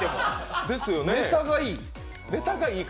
ネタがいい。